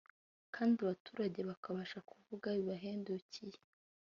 kandi abaturage bakabasha kuvuga bibahendukiye